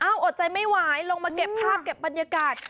อดใจไม่ไหวลงมาเก็บภาพเก็บบรรยากาศ